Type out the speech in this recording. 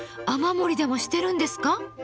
雨漏りでもしてるんですか？